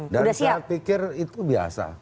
dan saya pikir itu biasa